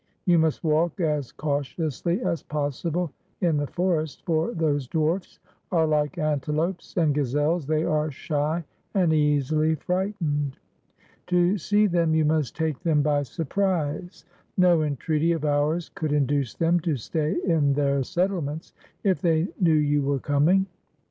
You must walk as cautiously as possible in the forest, for those dwarfs are like antelopes and gazelles ; they are shy and easily frightened. To see them you must take them by surprise. No entreaty of ours could induce them to stay in their settlements if they knew you were com ing.